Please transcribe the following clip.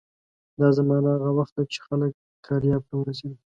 دا زمانه هغه وخت ده چې خلک کارایب ته ورسېدل.